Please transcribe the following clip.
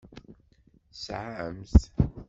Tesɛam-t.